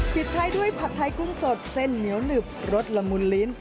ปิดท้ายด้วยผัดไทยกุ้งสดเส้นเหนียวหนึบรสละมุนลิ้น